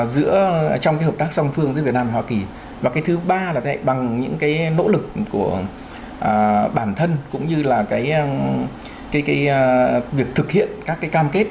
giữa trong hợp tác song phương giữa việt nam và hoa kỳ và cái thứ ba là vậy bằng những cái nỗ lực của bản thân cũng như là cái cái việc thực hiện các cái cam kết